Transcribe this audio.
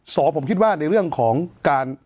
สวนมากผมคิดว่า